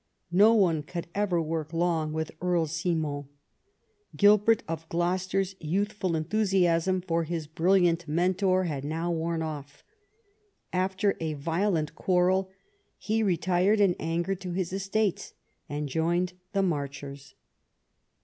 No one could ever work long with Earl Simon. Gilbert of Gloucester's youthful enthusiasm for his brilliant mentor had now worn off. After a violent quarrel he retired in anger to his estates and joined the Marchers.